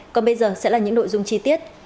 còn bây giờ sẽ là những nội dung chi tiết